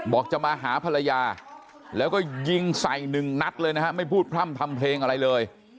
บอกจะมาหาภรรยาแล้วก็ยิงใส่หนึ่งนัดเลยนะฮะไม่พูดพร่ำทำเพลงอะไรเลย